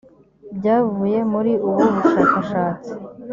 byavuye muri ubu bushakashatsi